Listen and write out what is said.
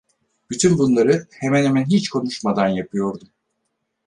Bütün bunları hemen hemen hiç konuşmadan yapıyordum.